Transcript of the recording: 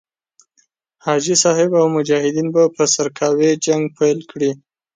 حاجي صاحب او مجاهدین به په سرکاوي جنګ پيل کړي.